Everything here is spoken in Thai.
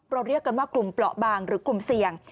เรียกกันว่ากลุ่มเปราะบางหรือกลุ่มเสี่ยง